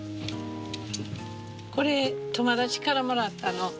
これ友達からもらったの。